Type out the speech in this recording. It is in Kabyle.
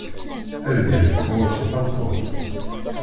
Argaz ɣur-s tameṭṭut.